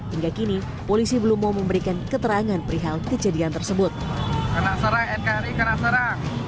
hingga kini polisi belum mau memberikan keterangan perihal kejadian tersebut karena serai serai